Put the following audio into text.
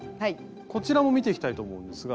こちらも見ていきたいと思うんですが。